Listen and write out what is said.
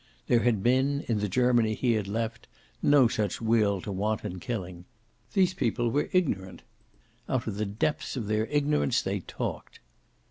There had been, in the Germany he had left, no such will to wanton killing. These people were ignorant. Out of the depths of their ignorance they talked.